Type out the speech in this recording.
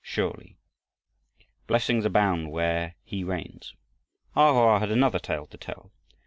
Surely, Blessings abound where'er He reigns!" A Hoa had another tale to tell.